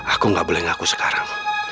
aku gak boleh ngaku sekarang